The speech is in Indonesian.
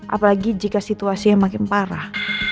apalagi jika situasinya makin parah